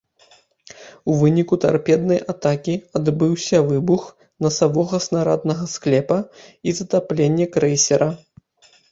У выніку тарпеднай атакі адбыўся выбух насавога снараднага склепа і затапленне крэйсера.